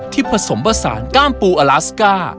ผสมผสานก้ามปูอลาสก้า